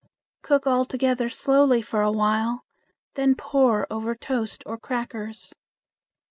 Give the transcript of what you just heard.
Cook all together slowly for a while, then pour over toast or crackers.